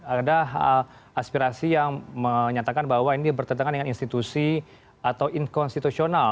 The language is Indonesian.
ada aspirasi yang menyatakan bahwa ini bertentangan dengan institusi atau inkonstitusional